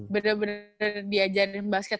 bener bener diajarin basket